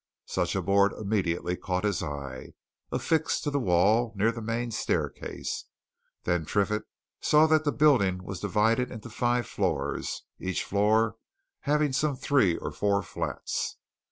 Such a board immediately caught his eye, affixed to the wall near the main staircase. Then Triffitt saw that the building was divided into five floors, each floor having some three or four flats.